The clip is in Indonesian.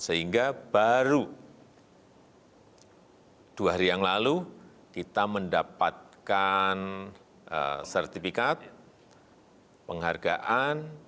sehingga baru dua hari yang lalu kita mendapatkan sertifikat penghargaan